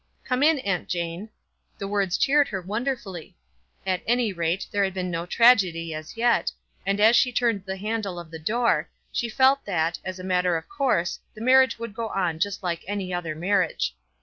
"Come in, Aunt Jane." The words cheered her wonderfully. At any rate, there had been no tragedy as yet, and as she turned the handle of the door, she felt that, as a matter of course, the marriage would go on just like any other marriage.